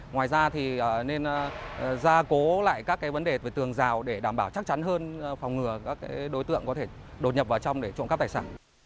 ngoài ra thì nên gia cố lại các vấn đề về tường rào để đảm bảo chắc chắn hơn phòng ngừa các đối tượng có thể đột nhập vào trong để trộm cắp tài sản